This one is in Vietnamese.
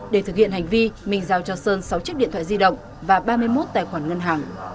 để thực hiện hành vi minh giao cho sơn sáu chiếc điện thoại di động và ba mươi một tài khoản ngân hàng